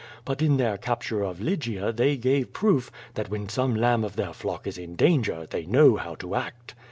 But in their capture of Lygia they gave proof that when some lamb of their flock is in danger/ they know how to act.